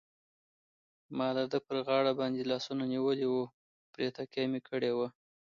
ما د ده پر غاړه باندې لاسونه نیولي وو، پرې تکیه مې کړې وه.